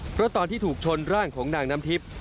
เพราะตอนที่ถูกชนร่างของนางน้ำทิพย์